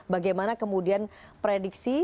bagaimana kemudian prediksi